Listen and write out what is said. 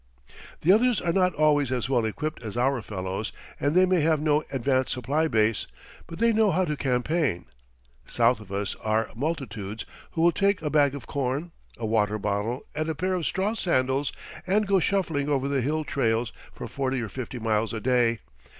The others are not always as well equipped as our fellows and they may have no advance supply base; but they know how to campaign. South of us are multitudes who will take a bag of corn, a water bottle, and a pair of straw sandals and go shuffling over the hill trails for forty or fifty miles a day.